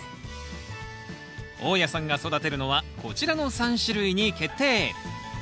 大家さんが育てるのはこちらの３種類に決定！